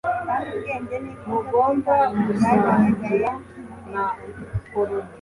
kandi ubwenge n'ikuzo by'imana byagaragaye muri rwo